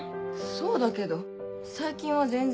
そうだけど最近は全然。